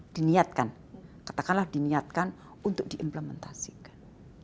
diniatkan katakanlah diniatkan untuk diimplementasikan